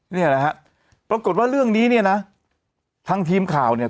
เนี่ยนะฮะปรากฏว่าเรื่องนี้เนี่ยนะทางทีมข่าวเนี่ย